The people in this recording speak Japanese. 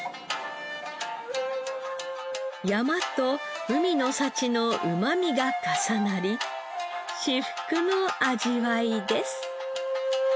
山と海の幸のうまみが重なり至福の味わいです。